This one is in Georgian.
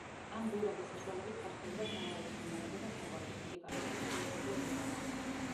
ამ გვირაბის საშუალებით ხერხდებოდა სარაევოს მომარაგება საკვებით, მედიკამენტებით, ხოლო ზოგჯერ იარაღითაც.